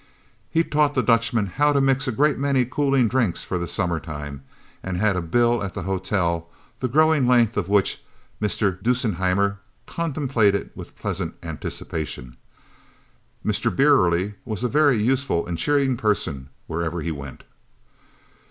He taught the Dutchman how to mix a great many cooling drinks for the summer time, and had a bill at the hotel, the growing length of which Mr. Dusenheimer contemplated with pleasant anticipations. Mr. Brierly was a very useful and cheering person wherever he went.